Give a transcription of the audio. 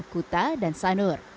kita dan sanur